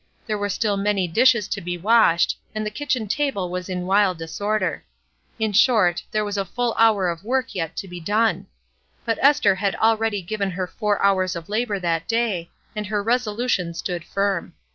There were still many dishes to be washed, and the kitchen table was in wild disorder; in short, there was a full hour of work yet to be done ; but Esther had already given her four hours of labor that day, and her resolution held firm.